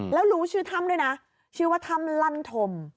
แล้วรู้ชื่อธรรมด้วยนะชื่อว่าธรรมลันธม